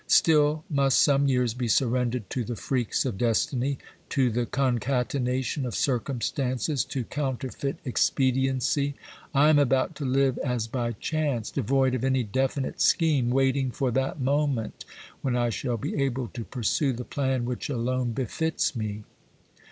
Still must some years be surrendered to the freaks of destiny, to the concatenation of circum stances, to counterfeit expediency. I am about to live as OBERMANN 27 by chance, devoid of any definite scheme, waiting for that moment when I shall be able to pursue the plan which alone befits me.